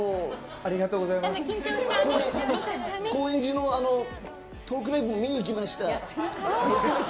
高円寺のトークライブ、見に行きました。